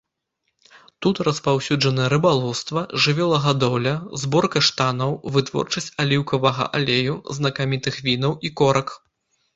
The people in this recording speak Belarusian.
Тут распаўсюджаны рыбалоўства, жывёлагадоўля, збор каштанаў, вытворчасць аліўкавага алею, знакамітых вінаў і корак.